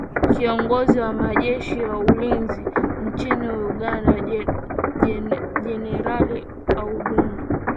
kiongozi wa majeshi ya ulinzi nchini uganda jenerali auronda